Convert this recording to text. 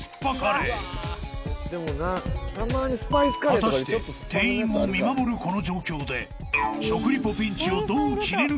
［果たして店員も見守るこの状況で］